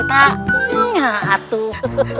nggak ada apa apa